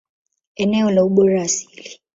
Eneo la ubora asili.